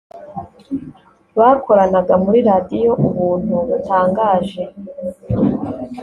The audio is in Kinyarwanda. bakoranaga muri Radiyo Ubuntu butangaje